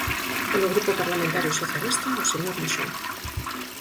Polo Grupo Parlamentario Socialista, o señor Moxón.